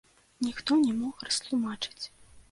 Ніхто не мог растлумачыць.